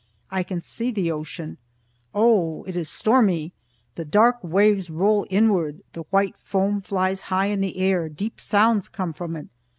I can see the ocean. Oh, it is stormy. The dark waves roll inward, the white foam flies high in the air; deep sounds come from it.